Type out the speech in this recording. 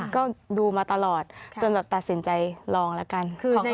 ก็ดูมาตลอดจนแบบตัดสินใจลองแล้วกัน